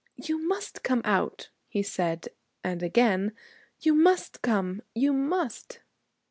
'You must come out,' he said; and again, 'You must come, you must.'